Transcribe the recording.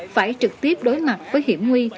phải trực tiếp đối mặt với hiểm nguy